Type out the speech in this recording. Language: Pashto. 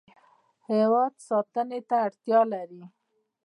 هیواد ساتنې ته اړتیا لري.